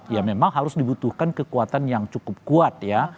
ya memang harus dibutuhkan kekuatan yang cukup kuat ya